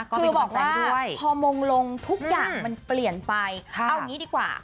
คือบอกว่าพอมงลงทุกอย่างมันเปลี่ยนไปเอางี้ดีกว่า